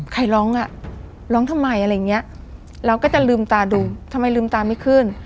ใครร้องอ่ะร้องร้องทำไมอะไรอย่างเงี้ยเราก็จะลืมตาดูทำไมลืมตาไม่ขึ้น